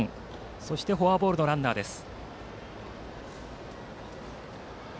そしてフォアボールのランナーです。